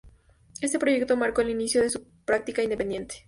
Este proyecto marcó el inicio de su práctica independiente.